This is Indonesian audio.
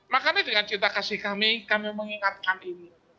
makanya dengan cinta kasih kami kami mengingatkan ini